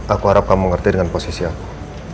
aku harap kamu ngerti dengan posisi aku